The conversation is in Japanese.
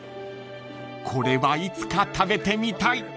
［これはいつか食べてみたい］